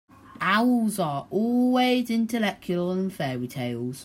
Owls are always intellectual in fairy-tales.